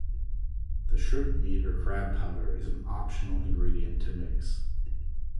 The shrimp meat or crab powder is an optional ingredient to mix.